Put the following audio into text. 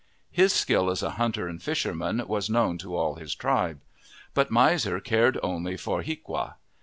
His skill as a hunter and fisherman was known to all his tribe. But Miser cared only for hiaqua.